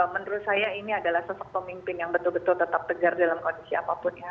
menurut saya ini adalah sosok pemimpin yang betul betul tetap tegar dalam kondisi apapun ya